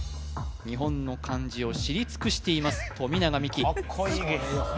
日本の漢字を知り尽くしています富永美樹カッコイイ！